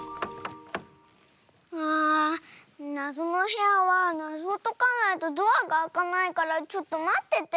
あなぞのへやはなぞをとかないとドアがあかないからちょっとまってて。